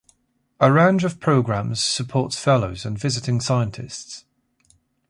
A range of programs supports fellows and visiting scientists.